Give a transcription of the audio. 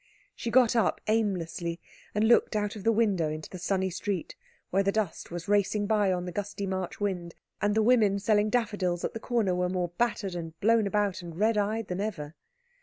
She got up aimlessly, and looked out of the window into the sunny street, where the dust was racing by on the gusty March wind, and the women selling daffodils at the corner were more battered and blown about and red eyed than ever.